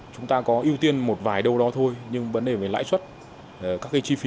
chúng ta có ưu tiên một vài đâu đó thôi nhưng vấn đề về lãi suất các cái chi phí